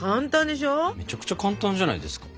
めちゃくちゃ簡単じゃないですか。